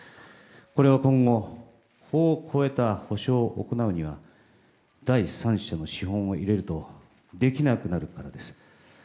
これは今後法を超えた補償を行うには第三者の資本を入れるとできなくなるからです。